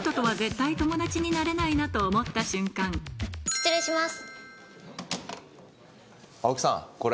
失礼します。